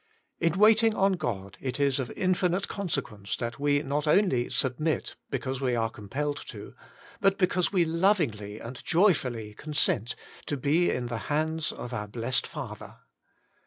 In waiting on God it is of infinite consequence that we not only submit, because we are compelled to, but because we lovingly and joyfully consent to be in the hands of our blessed Father.